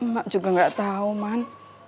mak juga nggak tahu man